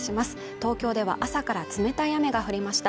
東京では朝から冷たい雨が降りました